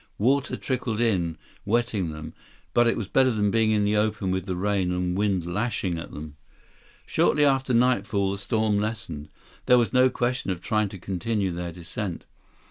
Water trickled in, wetting them, but it was better than being in the open with the rain and wind lashing at them. Shortly after nightfall, the storm lessened. There was no question of trying to continue their descent.